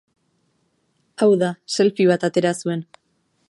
Hau da, selfie bat atera zuen.